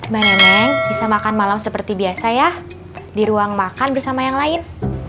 mbak neneng bisa makan malam seperti biasa ya di ruang makan bersama yang lain